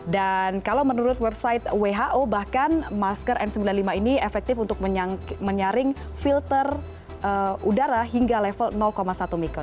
dan kalau menurut website who bahkan masker n sembilan puluh lima ini efektif untuk menyaring filter udara hingga level satu micro